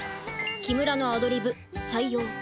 木村のアドリブ採用。